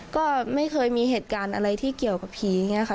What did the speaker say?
ก็ไม่เคยมีเหตุการณ์อะไรที่เกี่ยวกับผีอย่างนี้ค่ะ